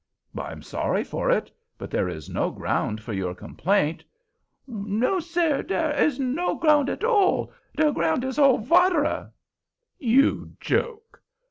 "I'm sorry for it; but there is no ground for your complaint." "No, sare; dare is no ground at all—de ground is all vatare!" "You joke!"